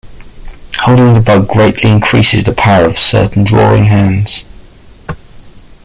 Holding the bug greatly increases the power of certain drawing hands.